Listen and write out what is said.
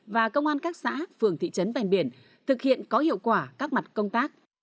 và công an các xã phường thị trấn ven biển thực hiện có hiệu quả các mặt công tác